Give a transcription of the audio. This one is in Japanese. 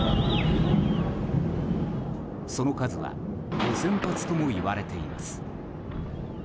その数は５０００発ともいわれています。